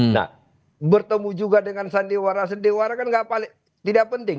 nah bertemu juga dengan sandiwara sandiwara kan tidak penting